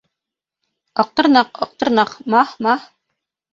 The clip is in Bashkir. — Аҡтырнаҡ, Аҡтырнаҡ, маһ-маһ!